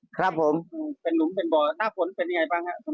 มันฟุคละมันลำบากครับผมเป็นหลุมเป็นบ่อน่ะหน้าฝนเป็นไงบ้างฮะ